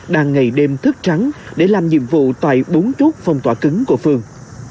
đang ngày đêm thức trắng để làm nhiệm vụ tại bốn chốt phong tỏa cứng của phường